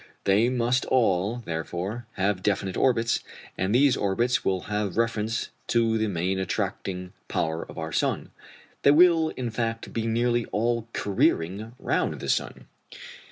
They must all, therefore, have definite orbits, and these orbits will have reference to the main attracting power of our system they will, in fact, be nearly all careering round the sun.